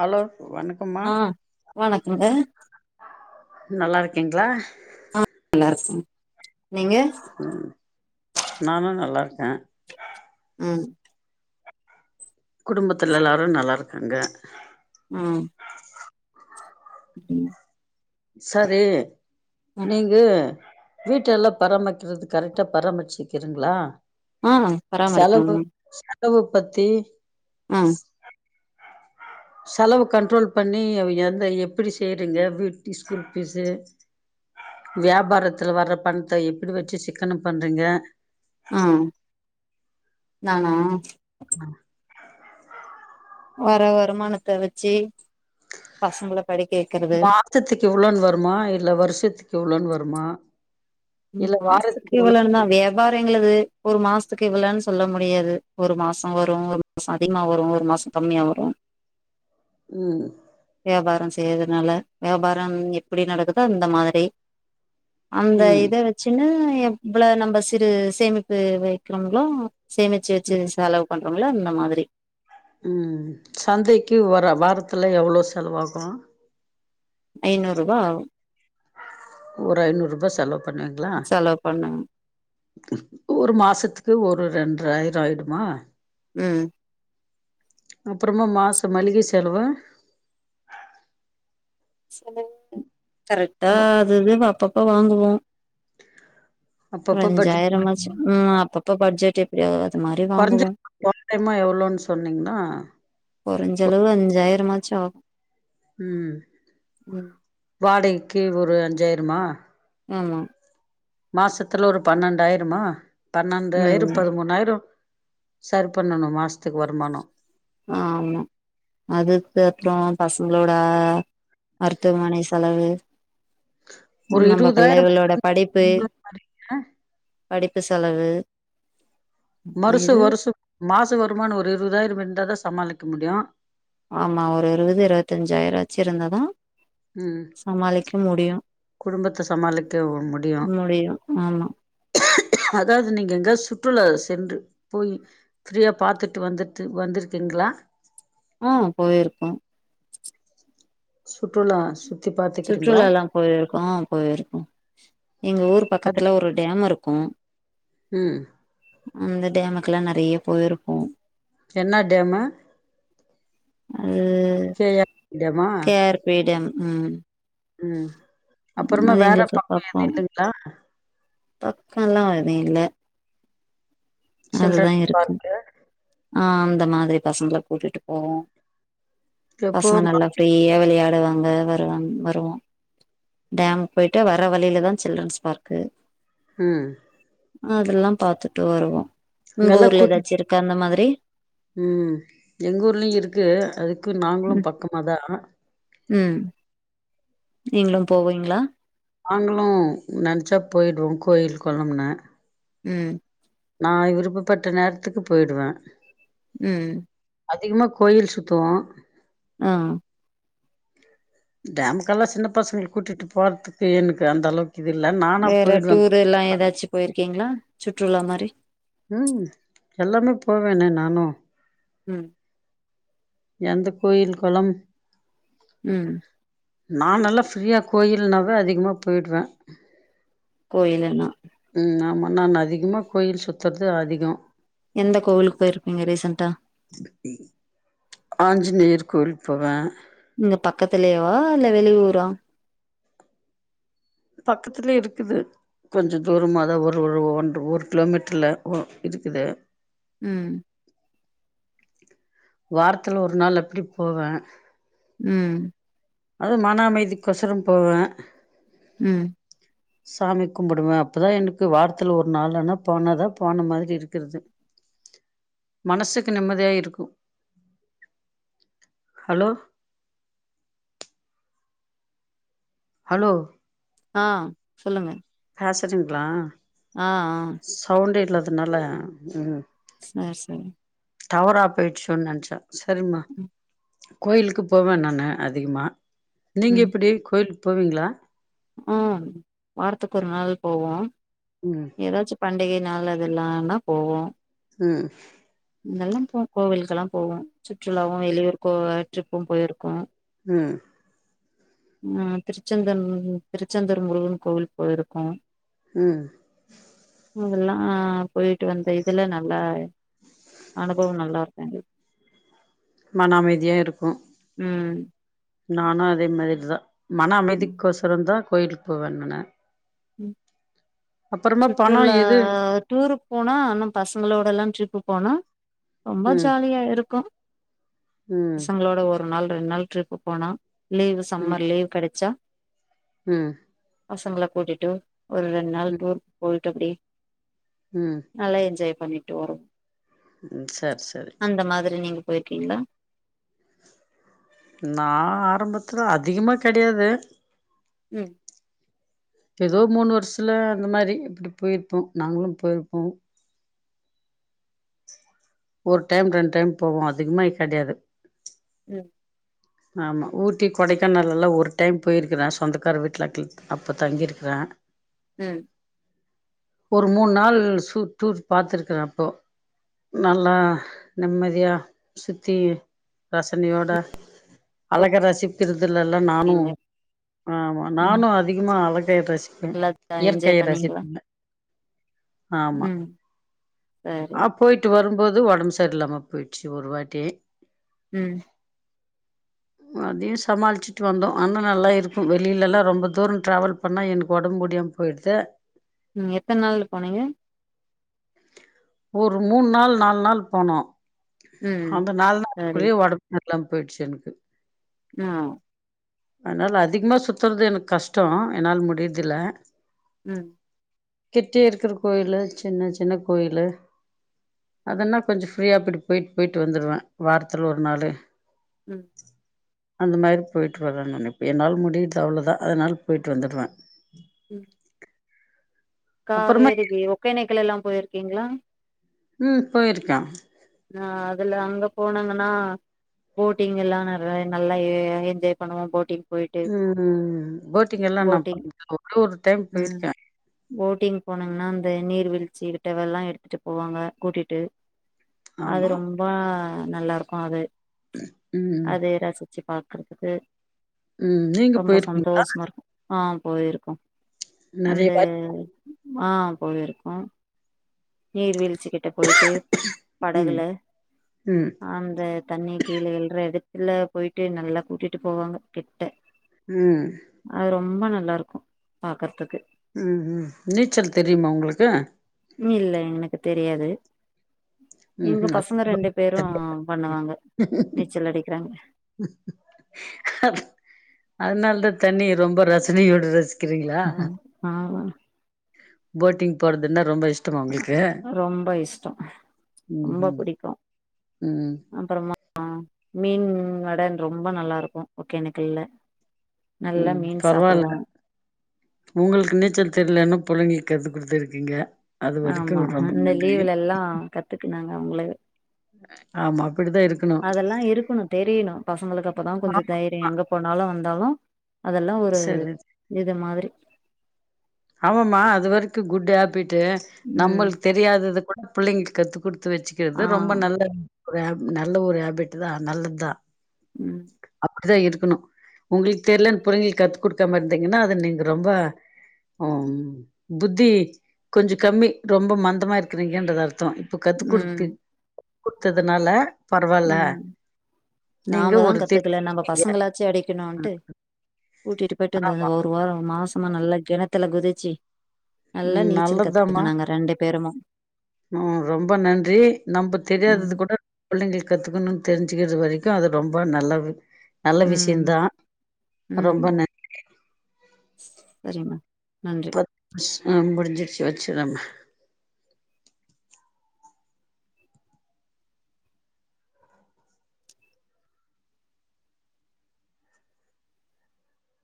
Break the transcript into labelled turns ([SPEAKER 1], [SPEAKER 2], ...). [SPEAKER 1] hello வணக்கம்மா
[SPEAKER 2] ஆ வணக்கங்க
[SPEAKER 1] நல்லாருக்கீங்ளா
[SPEAKER 2] நல்லாருக்கோ நீங்க
[SPEAKER 1] ம் நானு நல்லாருக்க
[SPEAKER 2] ம்
[SPEAKER 1] குடும்பத்துல எல்லாரு நல்லாருக்காங்க
[SPEAKER 2] ம் [inaudible]
[SPEAKER 1] சரி நீங்க வீட்டு எல்லா பராமரிக்கறதுக்கு கரெக்டா பராமரிச்சிக்கிறிங்களா
[SPEAKER 2] ஆ
[SPEAKER 1] செலவு
[SPEAKER 2] பராமரிக்கணுங்க
[SPEAKER 1] செலவு பத்தி
[SPEAKER 2] ம்
[SPEAKER 1] செலவு கண்ட்ரோல் பண்ணி எத எப்டி செய்றிங்க வீட்டு ஸ்கூல் பீஸ்ஸு வியாபாரத்துல வர்ற பண்த்த எப்படி வெச்சு சிக்கனம் பண்றீங்க
[SPEAKER 2] ஆ நானா
[SPEAKER 1] அ
[SPEAKER 2] வர்ர வருமானத்த வெச்சு பசங்கள படிக்க வெக்கறது
[SPEAKER 1] மாசத்துக்கு இவ்ளோன்னு வருமா இல்ல வருஷத்துக்கு இவ்ளோன்னு வருமா
[SPEAKER 2] ம்
[SPEAKER 1] இல்ல
[SPEAKER 2] மாசத்துக்கு
[SPEAKER 1] வாரத்துக்கு இவ்ளோ
[SPEAKER 2] இவ்ளோனுதா வே வேற எங்களது ஒரு மாசத்துக்கு இவ்ளோன்னு சொல்ல முடியாது ஒரு மாசசோ வரு ஒரு மாசோ அதிகமா வரு ஒரு மாசோ கம்மியா வரு
[SPEAKER 1] ம்
[SPEAKER 2] வியாபாரம் செய்யறதுனால வியாபாரம் எப்டி நடக்குதோ அந்த மாதிரி அந்த இ ச்சுன்னு எவ்ள நம்ம சிறு சேமிப்பு வைக்றங்களோ சேமிச்சு
[SPEAKER 1] ம்
[SPEAKER 2] வெச்சு செலவு பண்றாங்களோ அந்த மாதிரி
[SPEAKER 1] ம் சந்தைக்கு வர வாரத்துல எவ்ளோ செலவாகு
[SPEAKER 2] ஐநூரூபா ஆகு
[SPEAKER 1] ஒரு ஐநூறு ரூபா செலவு பண்ணுவீங்களா
[SPEAKER 2] செலவு பண்ணுங்க
[SPEAKER 1] ஒரு மாசத்துக்கு ஒரு ரெண்ர ஆயிரோ ஆயிடுமா
[SPEAKER 2] ம்
[SPEAKER 1] அப்பறமா மாசோ மளிக செலவு
[SPEAKER 2] [inaudible] கரெக்டா
[SPEAKER 1] ம-
[SPEAKER 2] அதுவே அப்பப்ப வாங்குவோ ஒரு
[SPEAKER 1] அப்பப்ப பட்ஜெட்
[SPEAKER 2] அஞ்சாயிரமாச்சு ம் அப்பப்ப பட்ஜெட் எப்டியோ அது மாரி வாங்குவோ
[SPEAKER 1] [inaudible] டைமா எவ்ளோன்னு சொன்னீங்ன்னா
[SPEAKER 2] கொறஞ்சளவு அஞ்சாயிரமாச்சு ஆகு
[SPEAKER 1] ம் வாடகைக்கு ஒரு அஞ்சாயிரமா
[SPEAKER 2] ஆமா
[SPEAKER 1] மாசத்துல ஒரு பன்னெண்டாயிரமா பன்னெண்டாயிரோ
[SPEAKER 2] ம்
[SPEAKER 1] பதிமூணாயிரோ ஷேர் பண்ணணு மாசத்துக்கு வருமானோ
[SPEAKER 2] ஆமா அதுக்கு அப்றோ பசங்களோட மருத்துவமனை செலவு
[SPEAKER 1] ஒரு
[SPEAKER 2] நம்ப பிள்ளைகளோட படிப்பு
[SPEAKER 1] இருவதாயிரோ
[SPEAKER 2] படிப்பு செலவு
[SPEAKER 1] மருசு
[SPEAKER 2] இது
[SPEAKER 1] வருசு மாச வருமானோ ஒரு இருவதாயிரம் இருந்ததா சமாளிக்க முடியு
[SPEAKER 2] ஆமா ஒரு இருவது இருவத்தஞ்சாயிரோ வச்சு இருந்ததா
[SPEAKER 1] ம்
[SPEAKER 2] சமாளிக்க முடியு
[SPEAKER 1] குடும்பத்த சமாளிக்க ஒ முடியு அதாவது நீங்க எங்கயாது சுற்றுலா சென்று போயி ஃப்ரீயா பாத்துட்டு வந்துட்டு வந்துருக்கிங்களா
[SPEAKER 2] ஆ போயிருக்கோ
[SPEAKER 1] சுற்றுலா சுத்தி பாத்துக்கிறீங்களா
[SPEAKER 2] சுற்றுல எல்லா போயிருக்கோ அ போயிருக்கோ எங்க ஊர்
[SPEAKER 1] அது
[SPEAKER 2] பக்கத்துல ஒரு டேம் இருக்கு
[SPEAKER 1] ம்
[SPEAKER 2] அந்த டேமுக்கெல்லா நெறையா போயிருக்கோம்
[SPEAKER 1] என்ன டேமு
[SPEAKER 2] அது
[SPEAKER 1] கே ஆர் டேமா
[SPEAKER 2] கே ஆர் பீ டேம் ம்
[SPEAKER 1] ம் அப்பறமா
[SPEAKER 2] அது
[SPEAKER 1] வேற
[SPEAKER 2] எங்களுக்கு
[SPEAKER 1] பக்கோ எதுவு இல்லைங்ளா
[SPEAKER 2] பக்கல்லா அது இல்ல அதுதா
[SPEAKER 1] சில்ட்ரன்ஸ்
[SPEAKER 2] இருக்கு
[SPEAKER 1] பார்க்கு
[SPEAKER 2] ஆ அந்த மாதிரி பசங்கள கூட்டிட்டு போவோ
[SPEAKER 1] எப்போ
[SPEAKER 2] பசங்க நல்லா ஃப்ரீயா விளையாடுவாங்க வருவாங் வருவோம் டேமுக் பொய்ட்டு வர வழியில தா சில்ரன்ஸ் பார்க்கு
[SPEAKER 1] ம்
[SPEAKER 2] அதல்லா பாத்துட்டு வருவோ உங்க
[SPEAKER 1] அங்கெல்லா
[SPEAKER 2] ஊர்ல
[SPEAKER 1] கூட்டி
[SPEAKER 2] எதாச்சு இருக்கா அந்த மாதிரி
[SPEAKER 1] ம் எங்க ஊர்லயு இருக்கு அதுக்கு நாங்களு
[SPEAKER 2] ம்
[SPEAKER 1] பக்கமாதா
[SPEAKER 2] ம் நீங்களும் போவீங்களா
[SPEAKER 1] நாங்களு நென்ச்சா போயிடுவோ கோயில் கொளம்னு
[SPEAKER 2] ம்
[SPEAKER 1] நா விருப்பப்பட்ட நேரத்துக்கு போய்டுவே
[SPEAKER 2] ம்
[SPEAKER 1] அதிகமா கோயில் சுத்துவோ
[SPEAKER 2] ஆ
[SPEAKER 1] டேமுக்கல்லா சின்ன பசங்கல கூட்டிட்டு போறதுக்கு எனக்கு அந்த அளவுக் கிதுல்லன்னா
[SPEAKER 2] வேற டூர் எல்லா எதாச்சு போயிருக்கீங்களா சுற்றுலா மாரி
[SPEAKER 1] ம் எல்லாமே போவேனே நானு
[SPEAKER 2] ம்
[SPEAKER 1] எந்த கோயில் கொளம்
[SPEAKER 2] ம்
[SPEAKER 1] நா நல்லா ஃப்ரீயா கோயில்னாவே அதிகமா போய்டுவே
[SPEAKER 2] கோயிலுனா
[SPEAKER 1] ம் ஆமா நான் அதிகமா கோயில் சுத்தற்து அதிகோ
[SPEAKER 2] எந்த கோவிலுக்கு போயிருப்பீங்க ரீஸன்டா
[SPEAKER 1] ஆஞ்சுநேயர் கோவில் போவே
[SPEAKER 2] இங்க பக்கத்துலேவா இல்ல வெளி ஊரா
[SPEAKER 1] பக்கத்துலயே இருக்குது கொஞ்சோ தூர தா ஒரு ஒரு ஒன்ற ஒரு கிலோமீட்டர்ல ஒ இருக்குது
[SPEAKER 2] ம்
[SPEAKER 1] வாரத்தில ஒரு நாள் அப்டி போவே
[SPEAKER 2] ம்
[SPEAKER 1] அதுவு மன அமைதி கொசரம் போவே
[SPEAKER 2] ம்
[SPEAKER 1] சாமி கும்பிடுவே அப்போதா எனக்கு வாரத்துல ஒரு நாள்னா போனாதா போன மாதிரி இருக்குது மனசுக்கு நிம்மதியா இருக்கு ஹலோ ஹலோ
[SPEAKER 2] ஆ சொல்லுங்க
[SPEAKER 1] ஹாஸட்டுங்களா
[SPEAKER 2] ஆ ஆ
[SPEAKER 1] சவுண்டே இல்லாதனால ம்
[SPEAKER 2] சேர் சேர்
[SPEAKER 1] டவரா போயிட்ச்சோன்னு நெனச்சே சரிம்மா
[SPEAKER 2] ம்
[SPEAKER 1] கோயிலுக்கு போவன் நான்னு அதிகமா நீங்க எப்டி கோயில்க்கு போவீங்களா
[SPEAKER 2] ம் வாரத்துக்கு ஒரு நாள் போவோம்
[SPEAKER 1] ம்
[SPEAKER 2] ஏதாச்சு பண்டிகை நாள் அது எல்லானா போவோம்
[SPEAKER 1] ம்
[SPEAKER 2] இதெல்லா போ கோவிலுகெல்லா போவோ சுற்றுலாவு வெளியூர் கோ ட்ரிப்பும் போயிருக்கோ
[SPEAKER 1] ம்
[SPEAKER 2] ஆ திருச்செந்தன் திருச்செந்தூர் முருகன் கோவில் போயிருக்கோ
[SPEAKER 1] ம்
[SPEAKER 2] அங்கல்லாம் போயிட்டு வந்த இதுல நல்லா அனுபவம் நல்லா இருந்தது
[SPEAKER 1] மன அமைதிய இருக்கும்
[SPEAKER 2] ம்
[SPEAKER 1] நானு அதே மாதிரி தா மன
[SPEAKER 2] ம்
[SPEAKER 1] அமைதிக் கோசரம் தா கோயிலுக்கு போவே நானு
[SPEAKER 2] ம்
[SPEAKER 1] அப்பறமா பணோ
[SPEAKER 2] சுற்றுலா
[SPEAKER 1] எது
[SPEAKER 2] டூருக் போனா ஆனா பசங்களோட எல்லா ட்ரிப்பு போனா ரொம்ப
[SPEAKER 1] ம்
[SPEAKER 2] ஜாலியா இருக்கு
[SPEAKER 1] ம்
[SPEAKER 2] பசங்களோட ஒரு நாள் ரெண்டு நாள் ட்ரிப்பு போனா லீவ்
[SPEAKER 1] ம்
[SPEAKER 2] சம்மர் லீவ் கெடச்சா
[SPEAKER 1] ம்
[SPEAKER 2] பசங்கள கூட்டிட்டு ஒரு ரெண்டு நாள்
[SPEAKER 1] ம்
[SPEAKER 2] டூரு போயட்டு அப்டி
[SPEAKER 1] ம்
[SPEAKER 2] நல்லா என்ஜாய் பண்ணிட்டு வருவோ
[SPEAKER 1] ம் சரி சரி
[SPEAKER 2] அந்த மாதிரி நீங்க போயிருக்கீங்களா
[SPEAKER 1] நான் ஆரம்பத்தில அதிகமாக கெடையாது
[SPEAKER 2] ம்
[SPEAKER 1] இப்ப ஏதோ மூணு வருஷத்துல அந்த மாதிரி இப்டி போயிருப்போம் நாங்களு போயிருப்போம் ஒரு டைம் ரெண்டு டைம் போவோ அதிகமா கெடையாது
[SPEAKER 2] ம்
[SPEAKER 1] ஆமா ஊட்டி கொடைக்கானல் எல்லா ஒரு டைம் போயிருக்கறே சொந்தக்கார வீட்டுல கில் அப்ப தங்கியிருக்கற
[SPEAKER 2] ம்
[SPEAKER 1] ஒரு மூணு நாள் சூ டூர் பாத்துருக்குற அப்போ நல்லா நிம்மதியா சுத்தி ரசனையோட அழக ரசிக்கிறதுலல்ல நானு
[SPEAKER 2] ஓகேங்க
[SPEAKER 1] ஆமா
[SPEAKER 2] ம்
[SPEAKER 1] நானு அதிகமா அழகை ரசி
[SPEAKER 2] நல்லா
[SPEAKER 1] இயற்கைய
[SPEAKER 2] என்ஜாய் பண்ணீங்களா
[SPEAKER 1] ரசிப்பங்க ஆமா
[SPEAKER 2] ம் சரி
[SPEAKER 1] அப் போயி்ட்டு வரும்போது ஒடம்பு சரியில்லாம போயிடுச்சு ஒரு வாட்டி
[SPEAKER 2] ம்
[SPEAKER 1] அதையூ சமாளிச்சிட்டு வந்தோ அனா நல்லா இருக்கு வெளிளெல்லா ரொம்ப தூரோ ட்ராவல் பண்ணா எனக்கு உடம்பு முடியாம் போயிடுத
[SPEAKER 2] ம் எத்தன நாள்ல போனைங்க
[SPEAKER 1] ஒரு மூணு நாள் நாலு நாள் போனோ
[SPEAKER 2] ம்
[SPEAKER 1] அந்த நாலு
[SPEAKER 2] சரி
[SPEAKER 1] நாள்குள்ளேயே ஒடம் நல்லாம் போயிடுச்சி எனக்கு
[SPEAKER 2] ம் ஆ
[SPEAKER 1] அனால அதிகமா சுத்தறது எனக்கு கஷ்டோ என்னால் முடியரதுல்ல
[SPEAKER 2] ம்
[SPEAKER 1] கிட்டியே இருக்குற கோயிலு சின்ன சின்ன கோயிலு அதன்னா கொஞ்சோ ஃப்ரீயா இப்டி போய்ட்டு போய்ட்டு வந்துருவ வாரத்துல ஒரு நாளு
[SPEAKER 2] ம்
[SPEAKER 1] அந்த மாரி போயிட்டு வரணு நெனைப்ப என்னால் முடியுது அவ்ளதா அதனால போயிட்டு வந்துடுவ
[SPEAKER 2] ம்
[SPEAKER 1] அப்புறமா
[SPEAKER 2] காவேரிக்கி ஒக்கே நேக்கள் எல்லா போயிருக்கீங்களா
[SPEAKER 1] ம் போயிருக்க
[SPEAKER 2] அ அதுல அங்க போனாங்கன்னா போட்டிங் எல்லா நறைய நல்லா எ எ என்ஜாய் பண்ணுவோ போட்டிங் போயிட்டு
[SPEAKER 1] ம் ம் ம் போட்டிங் எல்லா நா
[SPEAKER 2] போட்டிங்
[SPEAKER 1] [inaudible] ஒரே ஒரு டைம்
[SPEAKER 2] ம்
[SPEAKER 1] போயிருக்க
[SPEAKER 2] போட்டிங் போனங்ன்னா அந்த நீர்வீழ்ச்சி கிட்டவல்லா எடுத்துட்டு போவாங்க கூடிட்டு அது
[SPEAKER 1] ஆமா
[SPEAKER 2] ரொம்பா நல்ல இருக்கு அது
[SPEAKER 1] ம்
[SPEAKER 2] அது ரசிச்சி பா க்கறதுக்கு
[SPEAKER 1] ம் நீங்க
[SPEAKER 2] ரொம்ப
[SPEAKER 1] போயிருக்கீங்களா
[SPEAKER 2] சந்தோஷமா இருக்கு ஆ போயிருக்கோ
[SPEAKER 1] நெறைய
[SPEAKER 2] அந்த
[SPEAKER 1] வாட்டி
[SPEAKER 2] ஆ போயிருக்கோ நீர் வீழ்ச்சி கிட்ட போயிட்டு
[SPEAKER 1] ம்
[SPEAKER 2] படகுள
[SPEAKER 1] ம்
[SPEAKER 2] அந்த தண்ணி கீழ வீல்ற எடத்துல போயிட்டு நல்லா கூட்டிட்டு போவாங்க கிட்ட
[SPEAKER 1] ம்
[SPEAKER 2] அது ரொம்ப நல்லா இருக்கு பாக்கறத்துக்கு
[SPEAKER 1] ம் ம் நீச்சல் தெரியுமா உங்ளுக்கு
[SPEAKER 2] இல்ல எனக்கு தெரியாது எங்க
[SPEAKER 1] ம்ஹூம்
[SPEAKER 2] பசங்க ரெண்டு பேரு பண்ணுவாங்க நீச்சல் அடிக்றாங்க
[SPEAKER 1] அத அதனால தா தண்ணிய ரொம்ப ரசனையோடரச்
[SPEAKER 2] ஆமா
[SPEAKER 1] போட்டிங் போறதுன்னா ரொம்ப இஷ் டோ அவங்ளுக்கு
[SPEAKER 2] ரொம்ப இஷ்டோ
[SPEAKER 1] ம்
[SPEAKER 2] ரொம்ப
[SPEAKER 1] ம்
[SPEAKER 2] பிடிக்கு
[SPEAKER 1] ம்
[SPEAKER 2] அப்புறமா மீன் வட ரொம்ப நல்லா இருக்கு ஒகேனக்கல்ல நல்லா
[SPEAKER 1] உம்
[SPEAKER 2] மீன் சாப்பிடுவோ
[SPEAKER 1] பரவாயில்ல உங்களுக்கு நீச்சல் தெர்லன்னு புள்ளைங்களுக்கு கத்து குடுத்துருக்கீங்க அது வரைக்கு
[SPEAKER 2] ஆமா
[SPEAKER 1] ரொம்ப
[SPEAKER 2] அந்த
[SPEAKER 1] நன்றி
[SPEAKER 2] லீவுல எல்லா கத்துக்கினாங்க அவுங்களாவே
[SPEAKER 1] ஆமா அப்படித்தா இருக்கணு
[SPEAKER 2] அதெல்லா இருக்கணு தெரியனு பசங்களுக்கு அப்பதா கொஞ்சோ தை எங்க போனாலும் வந்தாலும் அதெல்லாம் ஒரு
[SPEAKER 1] சரி
[SPEAKER 2] இது மாதிரி
[SPEAKER 1] ஆமா மா அது வரைக்கு குட் ஹாபிட்
[SPEAKER 2] ம்
[SPEAKER 1] நம்மள்து தெரியாதது கூட பிள்ளைங்க கத்து கொடுத்து
[SPEAKER 2] ஆ
[SPEAKER 1] வச்சுக்கிறது ரொம்ப நல்லது ஒரு நல்ல ஒரு ஹேபிட் தா நல்லது தா
[SPEAKER 2] உம்
[SPEAKER 1] அப்படித்தா இருக்கணும் உங்களுக்கு தெரியலன் பிள்ளைங்களுக்கு கத்து குடுக்காம இருந்தீங்கன்னா அத நீங்க ரொம்ப ஓ புத்தி கொஞ்சோ கம்மி ரொம்ப மந்தமா இருக்குரிங்கன்றது அர்த்தம் இப்ப கத்து
[SPEAKER 2] ம்
[SPEAKER 1] குடுத்து குடுத்ததுனால பரவாயில்ல நீங்க ஒரு
[SPEAKER 2] பத்துக்கல நம்ம
[SPEAKER 1] தெரிங்க
[SPEAKER 2] பசங்களாச்சும்
[SPEAKER 1] ம்
[SPEAKER 2] அடைக்கணும்ன்ட்டு கூட்டிட்டு போயிட்டு வந்து வந்த
[SPEAKER 1] ஆமா
[SPEAKER 2] ஒரு வாரம் மாசமா நல்ல கிணத்துல குதிச்சு நல்லா
[SPEAKER 1] ம்
[SPEAKER 2] நீச்சல் கத்துக்கிட்டோ நாங்க ரெண்டு பேருமும்
[SPEAKER 1] உம் ரொம்ப நன்றி நம்ம
[SPEAKER 2] ம்
[SPEAKER 1] தெரியாதது கூட பிள்ளைகள் கத்துக்கணும்னு தெரிஞ்சுக்கிறது வரைக்கும் அது ரொம்ப நல்லது நல்ல
[SPEAKER 2] ம்
[SPEAKER 1] விஷயம்தா ரொம்ப நன்றி
[SPEAKER 2] சரிமா நன்றி
[SPEAKER 1] ப முடிஞ்சிருச்சு வச்சுடுர மா